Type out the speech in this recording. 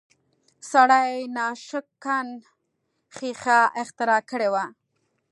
سړي ناشکن ښیښه اختراع کړې وه